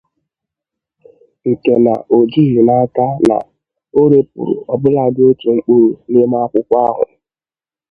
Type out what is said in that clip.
nke na o jighị n'aka na o repụrụ ọbụladị otu mkpụrụ n'ime akwụkwọ ahụ